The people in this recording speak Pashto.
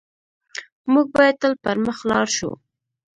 موږ بايد تل پر مخ لاړ شو.